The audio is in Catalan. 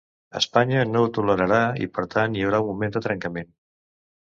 Espanya no ho tolerarà i per tant hi haurà un moment de trencament.